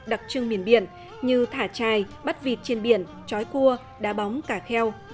đặc trưng miền biển như thả chai bắt vịt trên biển chói cua đá bóng cả kheo